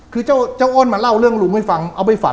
คือเจ้าอ้นมาเล่าเรื่องลุงให้ฟังเอาไปฝัน